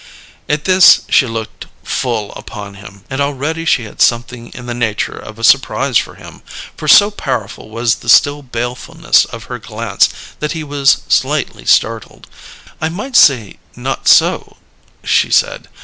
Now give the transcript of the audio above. At this, she looked full upon him, and already she had something in the nature of a surprise for him; for so powerful was the still balefulness of her glance that he was slightly startled. "I might say not so," she said.